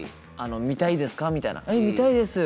「えっ見たいです」